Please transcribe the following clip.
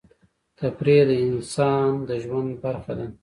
تفریح د انسان د ژوند برخه ده.